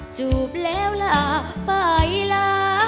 จูบแล้วล่ะไปล่ะ